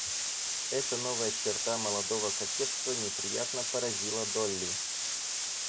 Эта новая черта молодого кокетства неприятно поразила Долли.